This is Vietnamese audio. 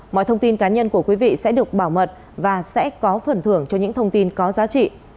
mọi thông tin cá nhân của quý vị sẽ được bảo mật và sẽ có phần thưởng cho những thông tin có giá trị